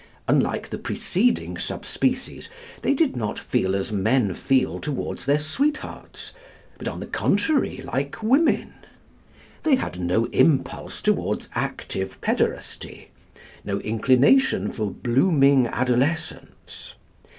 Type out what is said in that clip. Unlike the preceding sub species, they did not feel as men feel towards their sweethearts, but on the contrary like women. They had no impulse toward active pæderasty, no inclination for blooming adolescents.